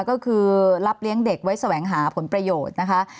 ก็คือรับเลี้ยงเด็กไว้แสวงหาผลประโยชน์นะคะ